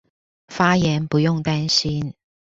發言不用擔心